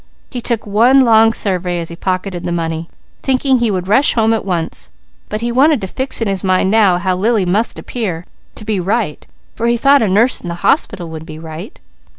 He took one long survey as he pocketed the money, thinking he would rush home at once; but he wanted to fix in his mind how Lily must appear, to be right, for he thought a nurse in the hospital would be right.